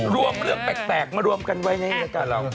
รวมเรื่องแปลกมารวมกันไว้ในรายการเรา